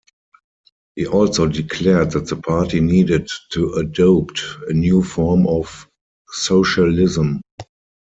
He also declared that the party needed to adopt a new form of socialism.